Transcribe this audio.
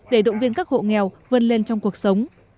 để động viên các hộ nghèo vươn lên trong cuộc sống